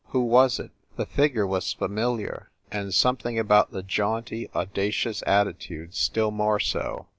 Who was it? The figure was familiar, and something about the jaunty, audacious attitude still more so.